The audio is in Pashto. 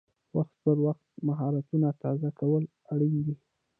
وخت پر وخت مهارتونه تازه کول اړین دي.